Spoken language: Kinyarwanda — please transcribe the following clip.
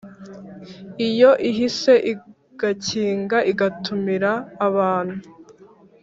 Iyo ihise igakinga igatumira abantu